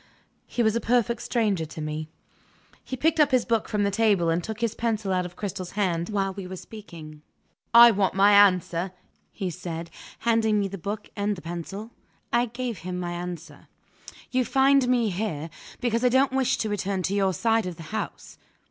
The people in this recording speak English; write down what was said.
He was a perfect stranger to me." He picked up his book from the table, and took his pencil out of Cristel's hand, while we were speaking. "I want my answer," he said, handing me the book and the pencil. I gave him his answer. "You find me here, because I don't wish to return to your side of the house."